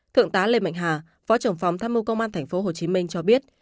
thượng tá lê mạnh hà phó trưởng phòng tham mưu công an tp hcm cho biết